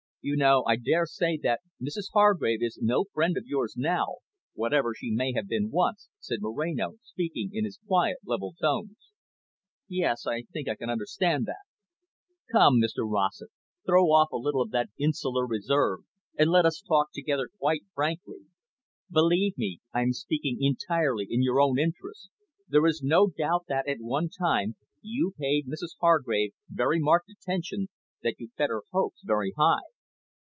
"You know, I daresay, that Mrs Hargrave is no friend of yours now, whatever she may have been once," said Moreno, speaking in his quiet, level tones. "Yes, I think I can understand that." "Come, Mr Rossett, throw off a little of that insular reserve, and let us talk together quite frankly. Believe me, I am speaking entirely in your own interests. There is no doubt that, at one time, you paid Mrs Hargrave very marked attention, that you fed her hopes very high."